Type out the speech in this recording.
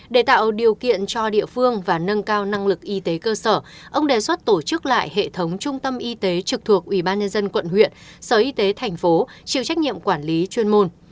để tạo điều kiện cho địa phương và nâng cao năng lực y tế cơ sở ông đề xuất tổ chức lại hệ thống trung tâm y tế trực thuộc ủy ban nhân dân quận huyện sở y tế thành phố chịu trách nhiệm quản lý chuyên môn